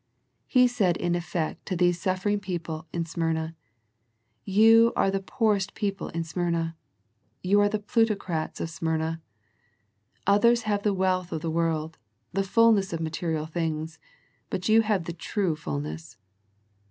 He said in effect to these suffer ing people in Smyrna, You are the poorest people in Smyrna. You are the plutocrats of Smyrna. Others have the wealth of the world, the fulness of material things, but you have the true fulness.